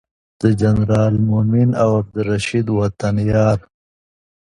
د جنرال مؤمن او عبدالرشید وطن یار